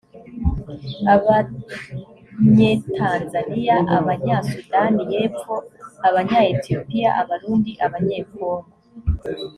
abanyetanzania abanyasudani y epfo abanya ethiopia abarundi abanyekongo